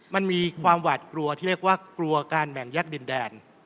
มันมีความหวาดกลัวที่เรียกว่ากลัวการแบ่งแยกดินแดน